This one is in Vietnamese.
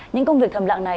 những công việc thầm lặng này